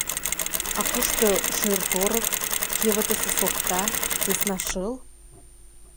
А кушто шӧр-торык, кевытысе сокта, сӧсна шыл?